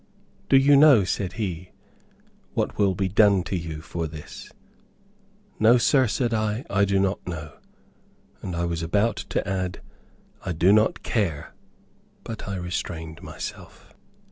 "Do you know," said he, "what will be done to you for this?" "No, sir," said I, "I do not know," and I was about to add, "I do not care," but I restrained myself.